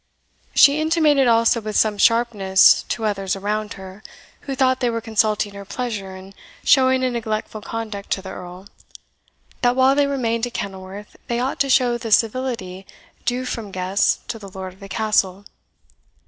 She intimated also with some sharpness to others around her, who thought they were consulting her pleasure in showing a neglectful conduct to the Earl, that while they remained at Kenilworth they ought to show the civility due from guests to the Lord of the Castle.